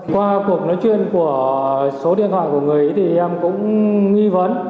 qua cuộc nói chuyện của số điện thoại của người thì em cũng nghi vấn